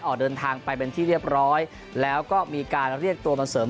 ออกเดินทางไปเป็นที่เรียบร้อยแล้วก็มีการเรียกตัวมาเสริม